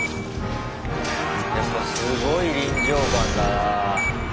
やっぱすごい臨場感だなぁ。